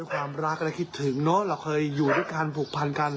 ความรักเราคิดถึงเนอะเราเคยอยู่ด้วยกันผูกพันกัน